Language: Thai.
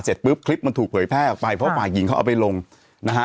เสร็จปุ๊บคลิปมันถูกเผยแพร่ออกไปเพราะฝ่ายหญิงเขาเอาไปลงนะฮะ